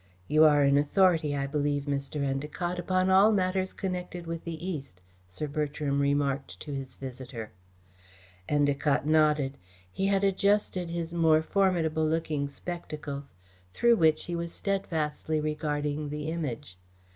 "You are an authority, I believe, Mr. Endacott, upon all matters connected with the East," Sir Bertram remarked to his visitor. Endacott nodded. He had adjusted his more formidable looking spectacles, through which he was steadfastly regarding the Image.